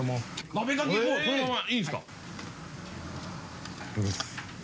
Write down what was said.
鍋かきそのままいいんですか？